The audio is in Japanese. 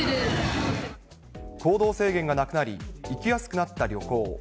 行動制限がなくなり、行きやすくなった旅行。